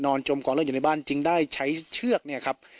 จมกองเลือดอยู่ในบ้านจึงได้ใช้เชือกเนี่ยครับ